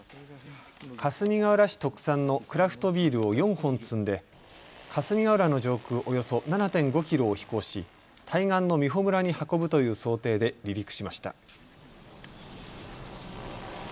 かすみがうら市特産のクラフトビールを４本積んで霞ヶ浦の上空およそ７．５キロを飛行し、対岸の美浦村に運ぶという想定で離陸しました。